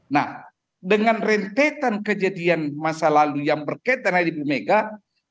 nah dengan rentetan kejadian masa lalu yang berkaitan dengan ibu megat